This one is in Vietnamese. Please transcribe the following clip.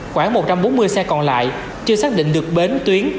khoảng một trăm bốn mươi xe còn lại chưa xác định được bến tuyến